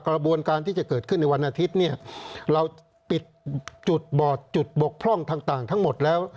กระบวนการที่จะเกิดขึ้นในวันอาทิตย์เนี่ยเราปิดจุดบอดจุดบกพร่องต่างทั้งหมดแล้ว